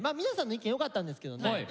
皆さんの意見よかったんですけどね